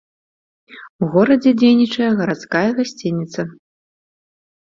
У горадзе дзейнічае гарадская гасцініца.